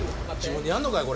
自分でやんのかい！